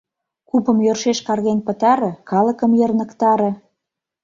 Купым йӧршеш карген пытаре, калыкым йырныктаре...